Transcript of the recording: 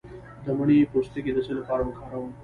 د مڼې پوستکی د څه لپاره وکاروم؟